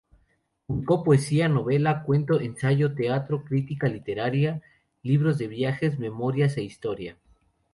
Publicó poesía, novela, cuento, ensayo, teatro, crítica literaria, libros de viajes, memorias e historia.